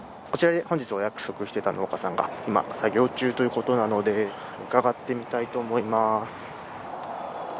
こちらで本日お約束していた農家さんが今作業中ということなので伺ってみたいと思います。